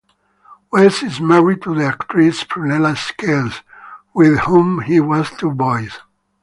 West is married to the actress Prunella Scales, with whom he has two boys.